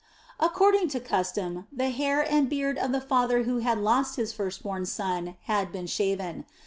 According to custom, the hair and beard of the father who had lost his first born son had been shaven.